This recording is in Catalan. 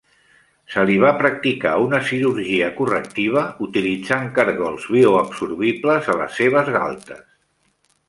Se li va practicar una cirurgia correctiva utilitzant cargols bioabsorbibles a les seves galtes.